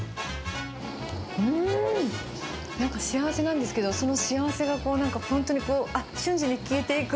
うーん、なんか幸せなんですけど、その幸せがこうなんか、本当に、あっ、瞬時に消えていく。